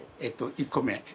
１個目！？